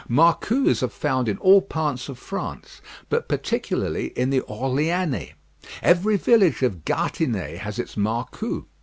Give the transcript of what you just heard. Marcous are found in all parts of France, but particularly in the Orléanais. Every village of Gâtinais has its marcou.